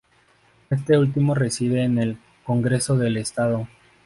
Este último reside en el Congreso del Estado.